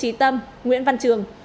nguyễn trí tâm nguyễn văn trường